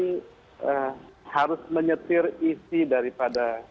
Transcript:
ini harus menyetir isi daripada